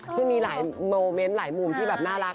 คือมีหลายโมเมนต์หลายมุมที่แบบน่ารัก